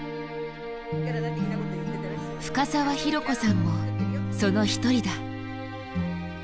深澤尋子さんもその一人だ。